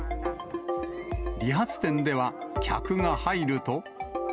理髪店では、客が入ると。